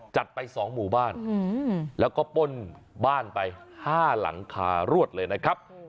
จัดไป๒หมู่บ้านแล้วก็ป้นบ้านไป๕หลังคารวดเลยนะครับ